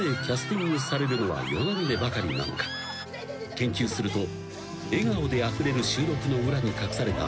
［研究すると笑顔であふれる収録の裏に隠された］